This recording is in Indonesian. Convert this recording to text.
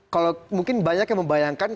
kalau mungkin banyak yang membayangkan